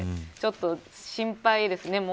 ちょっと心配ですね。